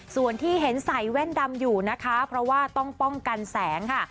ส่วนที่เห็นใส่แว่นดำอยู่นะคะเพราะว่าต้องป้องกันแสงค่ะ